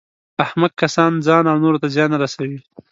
احمق کسان ځان او نورو ته زیان رسوي.